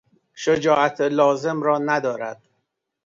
شجاعت لازم را ندارد.